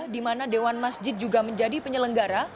di mana dewan masjid juga menjadi penyelenggara